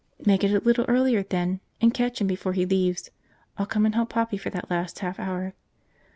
"Make it a little earlier, then, and catch him before he leaves. I'll come and help Poppy for that last half hour."